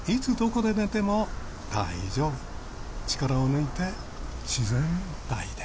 ［力を抜いて自然体で］